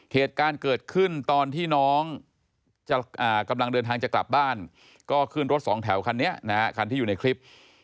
เหตุการณ์เกิดขึ้นตอนที่น้องกำลังเดินทางจะกลับบ้านก็ขึ้นรถสองแถวคันนี้นะฮะคันที่อยู่ในคลิป